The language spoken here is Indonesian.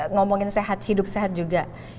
ngomongin sehat hidup sehat juga